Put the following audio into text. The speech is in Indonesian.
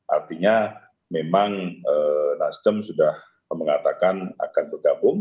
artinya memang nasdem sudah mengatakan akan bergabung